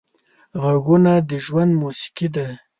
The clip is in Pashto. غږونه د ژوند موسیقي ده